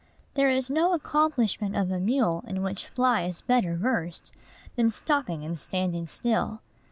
There is no accomplishment of a mule in which Fly is better versed than stopping and standing still.